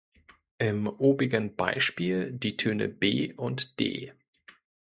Im obigen Beispiel die Töne "B" und "D".